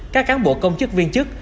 các cán bộ công chức viên chức